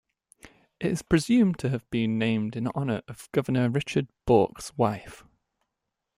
It is presumed to have been named in honour of governor Richard Bourke's wife.